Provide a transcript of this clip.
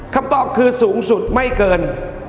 คำตอบคือสูงสุดไม่เกิน